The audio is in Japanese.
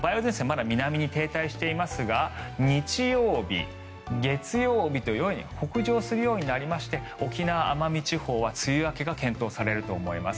まだ南に停滞していますが日曜日、月曜日と北上するようになりまして沖縄・奄美地方は梅雨明けが検討されると思います。